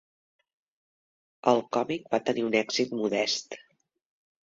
El còmic va tenir un èxit modest.